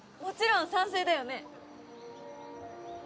もちろん賛成だよね？